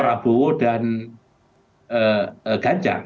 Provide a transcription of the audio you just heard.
prabowo dan ganjar